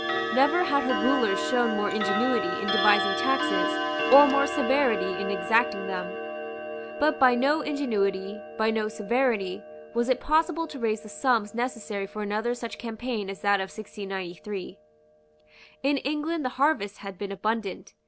Never had her rulers shown more ingenuity in devising taxes or more severity in exacting them; but by no ingenuity, by no severity, was it possible to raise the sums necessary for another such campaign as that of 1693. In England the harvest had been abundant.